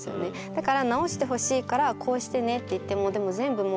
だから治してほしいから「こうしてね」って言ってもでも全部もう忘れちゃう。